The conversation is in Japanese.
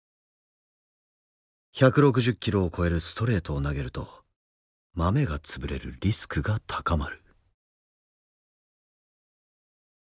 １６０キロを超えるストレートを投げるとまめが潰れるリスクが高まる。